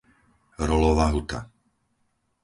Rolova Huta